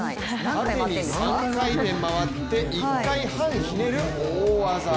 縦に３回転回って１回転半ひねる大技。